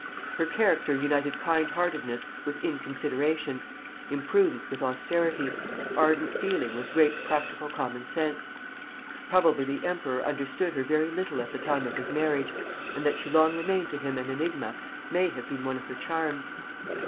Her character united kind heartedness with inconsideration, imprudence with austerity, ardent feeling with great practical common sense. Probably the emperor understood her very little at the time of his marriage, and that she long remained to him an enigma may have been one of her charms.